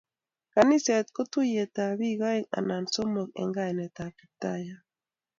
Kaniset ko tuiyet ab bik aeng' anan somok eng kainet ab Kiptaiyat